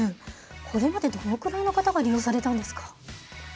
これまでどのくらいの方が利用されたんですか？